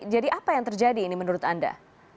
jadi apa yang terjadi ini menurut anda